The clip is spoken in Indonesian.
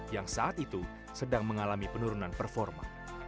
yang saat itu sedang mengalami penurunan performa